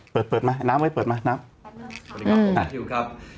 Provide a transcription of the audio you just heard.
เปิดมาน้ำไว้เปิดมาน้ำ